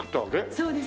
そうです。